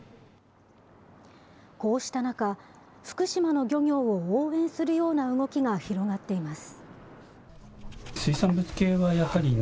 こうした中、福島の漁業を応援するような動きが広がっています。